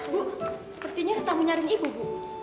bu sepertinya ada tamu nyari ibu bu